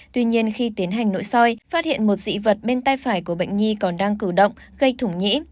tuy nhiên khi tiến hành nội soi phát hiện một dị vật bên tay phải của bệnh nhi còn đang cử động gây thủng nhĩ